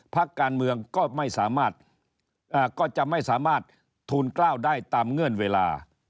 พักการเมืองก็จะไม่สามารถทูลกล้าวได้ตามเงื่อนเวลา